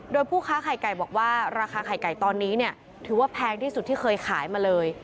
โดยผู้ค้าไข่ไก่บอกว่าราคาไข่ไก่ตอนนี้เนี่ยถือว่าแพงที่สุดที่เคยขายมาเลย